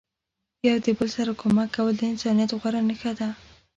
یو د بل سره کومک کول د انسانیت غوره نخښه ده.